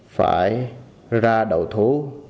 phải ra đầu thú